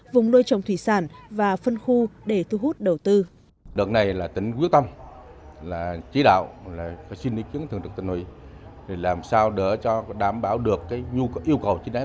vùng nuôi trồng thủy sản và phân khu để thu hút đầu tư